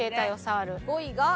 ５位が。